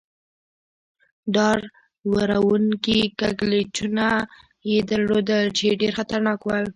ډار و ر و نکي کږلېچونه يې درلودل، چې ډېر خطرناک ول.